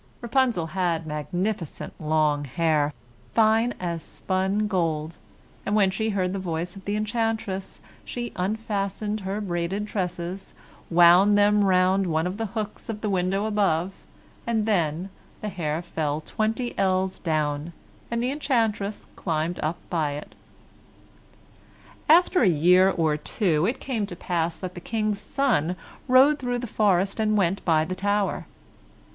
Rapunzel had magnificent long hair, fine as spun gold, and when she heard the voice of the enchantress she unfastened her braided tresses, wound them round one of the hooks of the window above, and then the hair fell twenty yards down, and the enchantress climbed up by it. After a year or two, it came to pass that the King's son rode through the forest and went by the tower.